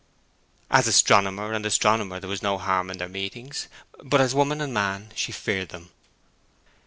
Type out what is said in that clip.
As astronomer and astronomer there was no harm in their meetings; but as woman and man she feared them.